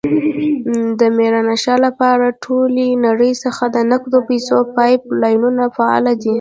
د ميرانشاه لپاره له ټولې نړۍ څخه د نقدو پيسو پایپ لاینونه فعال دي.